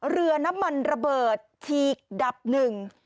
เรือน้ำมันระเบิดฉีกดับหนึ่ง